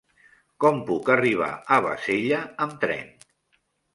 Com puc arribar a Bassella amb tren?